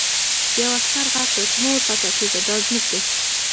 یوه عسکر غږ کړ چې مه وارخطا کېږه دا زموږ دي